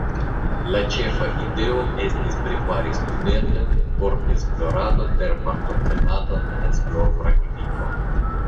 La ĉefa ideo estis prepari studentojn por esplorado per partoprenado en esplorpraktiko.